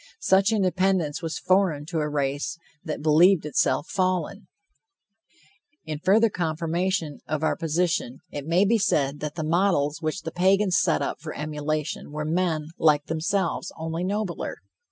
Such independence was foreign to a race that believed itself fallen. In further confirmation of our position, it may be said that the models which the Pagans set up for emulation were men like themselves, only nobler.